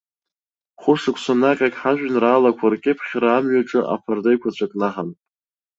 Хәышықәсанаҟьак ҳажәеинраалақәа ркьыԥхьра амҩаҿы аԥарда еиқәаҵәа кнаҳан.